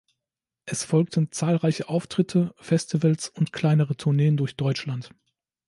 Es folgten zahlreiche Auftritte, Festivals und kleinere Tourneen durch Deutschland.